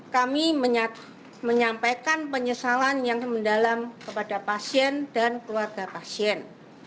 kami menyampaikan penyesalan yang mendalam kepada pasien dan keluarga pasien